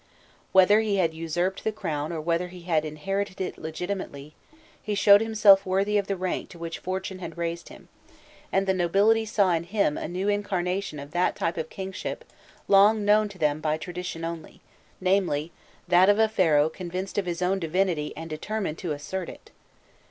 Whether he had usurped the crown or whether he had inherited it legitimately, he showed himself worthy of the rank to which fortune had raised him, and the nobility saw in him a new incarnation of that type of kingship long known to them by tradition only, namely, that of a Pharaoh convinced of his own divinity and determined to assert it.